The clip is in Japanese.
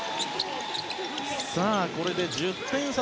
これで１０点差。